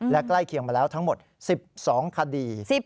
และใกล้เคียงมาแล้วทั้งหมด๑๒คดี